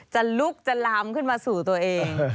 จะลุกจะลามขึ้นมาสู่ตัวเอง